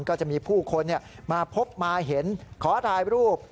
ก็จะมีผู้คนมาพบมาเห็นขอถ่ายรูป